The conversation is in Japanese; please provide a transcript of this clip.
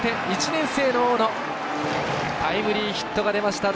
１年生の大野タイムリーヒットが出ました。